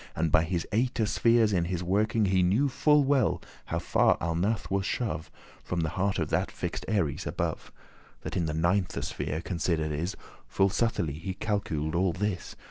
And by his eighte spheres in his working, He knew full well how far Alnath <20> was shove From the head of that fix'd Aries above, That in the ninthe sphere consider'd is. Full subtilly he calcul'd all this.